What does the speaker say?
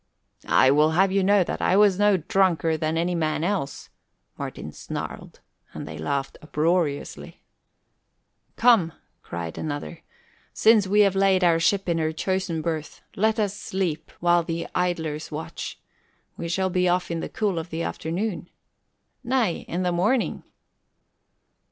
"I will have you know that I was no drunker than any man else," Martin snarled, and they laughed uproariously. "Come," cried another, "since we have laid our ship in her chosen berth, let us sleep while the idlers watch. We shall be off in the cool of the afternoon." "Nay, in the morning!"